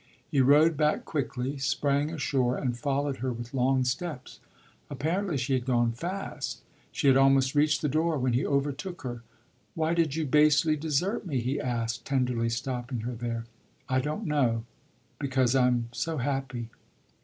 He rowed back quickly, sprang ashore and followed her with long steps. Apparently she had gone fast; she had almost reached the door when he overtook her. "Why did you basely desert me?" he asked, tenderly stopping her there. "I don't know. Because I'm so happy."